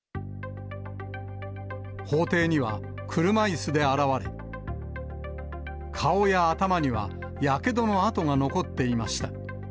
法廷には車いすで現れ、顔や頭にはやけどの痕が残っていました。